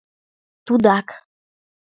— Тудак!